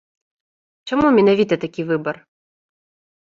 Чаму менавіта такі выбар?